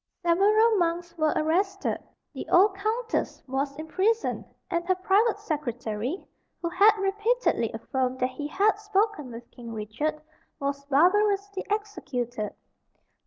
Several monks were arrested; the old Countess was imprisoned; and her private secretary, who had repeatedly affirmed that he had spoken with King Richard, was barbarously executed.